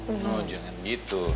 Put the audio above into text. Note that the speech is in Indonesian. oh jangan gitu